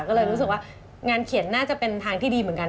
ก็เลยรู้สึกว่างานเขียนน่าจะเป็นทางที่ดีเหมือนกัน